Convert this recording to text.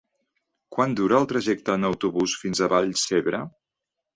Quant dura el trajecte en autobús fins a Vallcebre?